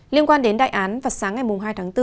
liên quan đến đại án vào sáng ngày hai tháng bốn